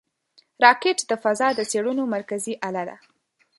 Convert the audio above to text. راکټ د فضا د څېړنو مرکزي اله ده